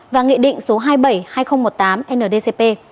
và nghị định số hai mươi bảy hai nghìn một mươi tám ndcp